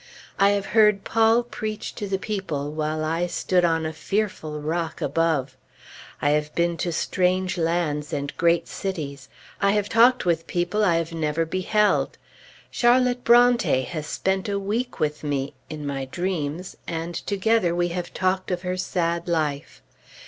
I have heard Paul preach to the people, while I stood on a fearful rock above. I have been to strange lands and great cities; I have talked with people I have never beheld. Charlotte Brontë has spent a week with me in my dreams and together we have talked of her sad life.